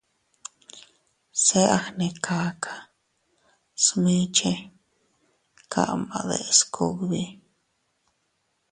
Se a gnekaka smiche kama deʼes kugbi.